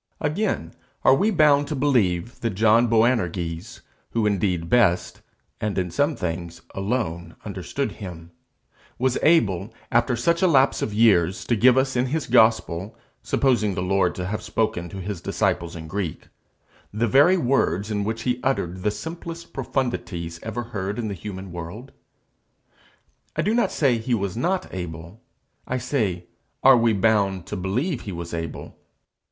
Again, are we bound to believe that John Boanerges, who indeed best, and in some things alone, understood him, was able, after such a lapse of years, to give us in his gospel, supposing the Lord to have spoken to his disciples in Greek, the very words in which he uttered the simplest profundities ever heard in the human world? I do not say he was not able; I say Are we bound to believe he was able?